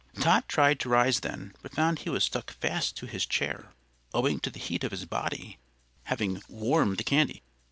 Tot tried to rise then, but found he was stuck fast to his chair, owing to the heat of his body having warmed the candy.